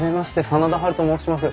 真田ハルと申します。